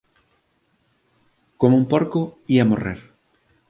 Como un porco ía morrer.